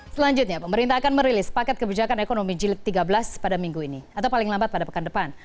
selanjutnya pemerintah akan merilis paket kebijakan ekonomi jilid tiga belas pada minggu ini atau paling lambat pada pekan depan